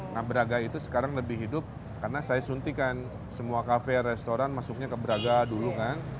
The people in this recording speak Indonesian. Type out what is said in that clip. nah braga itu sekarang lebih hidup karena saya suntikan semua kafe restoran masuknya ke braga dulu kan